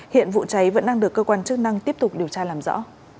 hiện vụ cháy vẫn đang được cơ quan chức năng tiếp tục điều tra làm rõ